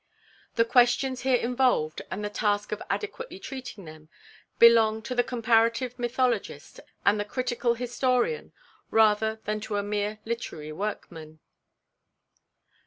The questions here involved, and the task of adequately treating them, belong to the comparative mythologist and the critical historian, rather than to the mere literary workman.